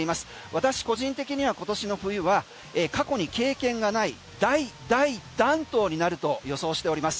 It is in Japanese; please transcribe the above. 私個人的には今年の冬は過去に経験がない大大暖冬になると予想しております。